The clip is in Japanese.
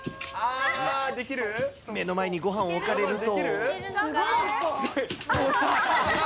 目の前にごはんを置かれると。